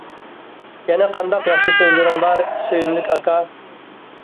يەنە قانداق ياخشى سۆزلىرىڭ بار، سۆيۈملۈك ئاكا؟!